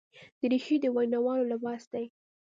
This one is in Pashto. دریشي د ویناوالو لباس دی.